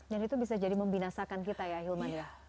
dan itu bisa jadi membinasakan kita ya hilman